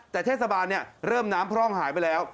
แต่เทศบาลเริ่มน้ำพร่องหายไปแล้ว